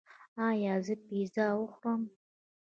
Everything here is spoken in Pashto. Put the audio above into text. ایا زه پیزا وخورم؟